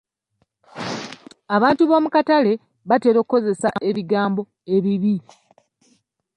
Abantu b'omu katale batera okukozesa ebigambo ebibi.